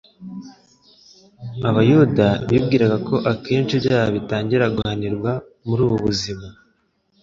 Abayuda bibwiraga ko akenshi ibyaha bitangira guhanirwa muri ubu buzima: